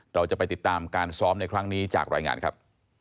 เราจะไปติดตามการซ้อมในครั้งนี้จากรายงานครับ